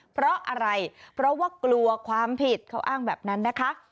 เพราะอะไรเพราะว่ากลัวความผิดเขาอ้างแบบนั้นนะคะ